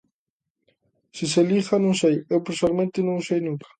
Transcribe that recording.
Se se liga, non sei, eu persoalmente non o usei nunca.